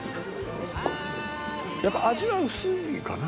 「やっぱ味は薄いかな」